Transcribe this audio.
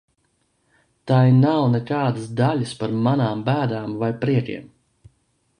Tai nav nekādas daļas par manām bēdām vai priekiem.